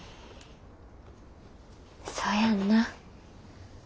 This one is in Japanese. そうやんな。